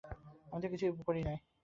আমি তো কিছুই করি নাই!